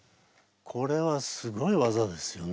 これはすごいわざですよね。